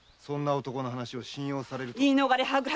そんな男の話を信用されるとは。